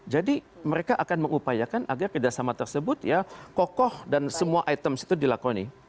jadi mereka akan mengupayakan agar kerjasama tersebut ya kokoh dan semua items itu juga mendalam